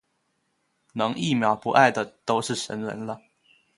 能一秒不爱的都是神人了